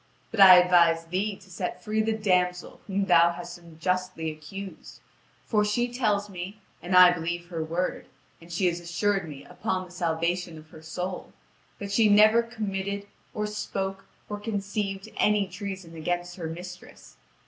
But I advise thee to set free the damsel whom thou hast unjustly accused; for she tells me, and I believe her word, and she has assured me upon the salvation of her soul, that she never committed, or spoke, or conceived any treason against her mistress.